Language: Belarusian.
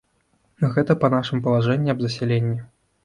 Гэта па нашым палажэнні аб засяленні.